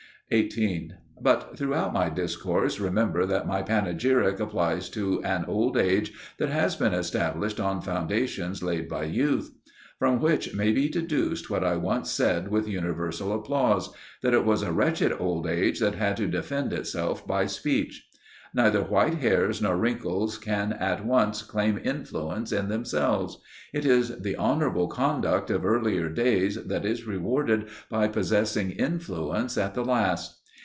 18. But throughout my discourse remember that my panegyric applies to an old age that has been established on foundations laid by youth. From which may be deduced what I once said with universal applause, that it was a wretched old age that had to defend itself by speech. Neither white hairs nor wrinkles can at once claim influence in themselves: it is the honourable conduct of earlier days that is rewarded by possessing influence at the last.